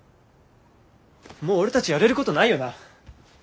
もう俺たちやれることないよな。